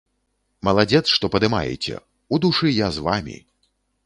Маладзец, што падымаеце, у душы я з вамі.